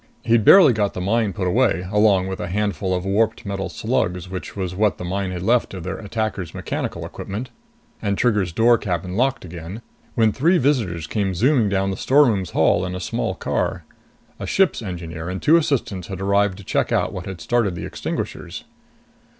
He'd barely got the mine put away, along with a handful of warped metal slugs, which was what the mine had left of their attacker's mechanical equipment, and Trigger's cabin door locked again, when three visitors came zooming down the storerooms hall in a small car. A ship's engineer and two assistants had arrived to check on what had started the extinguishers.